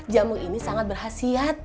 jamu ini sangat berhasiat